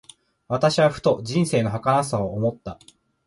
私はふと、人生の儚さを思った。